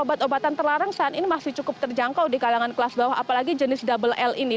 obat obatan terlarang saat ini masih cukup terjangkau di kalangan kelas bawah apalagi jenis double l ini